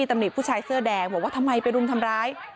ตำหนิผู้ชายเสื้อแดงบอกว่าทำไมไปรุมทำร้าย